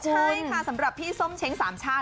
ใช่ค่ะสำหรับพี่ส้มเช้งสามชาติ